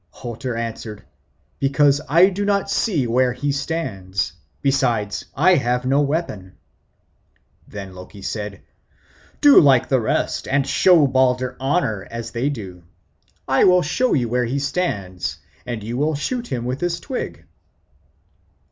Hother answered, "Because I do not see where he stands; besides I have no weapon." Then said Loki, "Do like the rest and show Balder honour, as they all do. I will show you where he stands, and do you shoot at him with this twig."